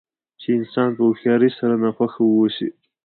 چې انسان په هوښیارۍ سره ناخوښه واوسي.